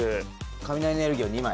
雷のエネルギーを２枚。